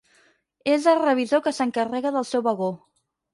És el revisor que s'encarrega del seu vagó.